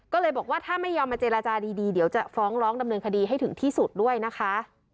ก็เลยบอกว่าถ้าไม่ยอมมาเจรจาดีเดี๋ยวจะฟ้องร้องดำเนินคดีให้ถึงที่สุดด้วยนะคะ